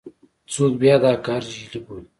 څوک بیا دا کار جعل بولي.